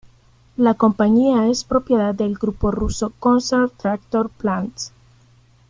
La compañía es propiedad del grupo ruso Concern Tractor Plants.